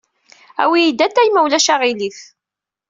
Awey-d atay, ma ulac aɣilif.